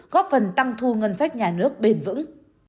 góp phần tăng thu ngân sách nhà nước bền vững